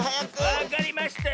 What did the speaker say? わかりましたよ。